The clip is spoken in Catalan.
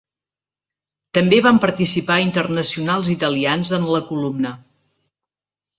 També van participar internacionals italians en la columna.